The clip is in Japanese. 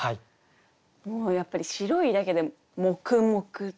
もうやっぱり白いだけで「もくもく」とか。